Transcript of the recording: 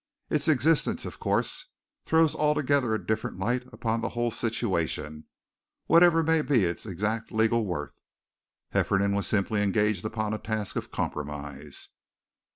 Its existence, of course, throws altogether a different light upon the whole situation, whatever may be its exact legal worth. Hefferom was simply engaged upon a task of compromise.